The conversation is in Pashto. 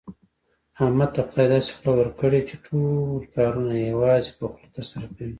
احمد ته خدای داسې خوله ورکړې، چې ټول کارونه یوازې په خوله ترسره کوي.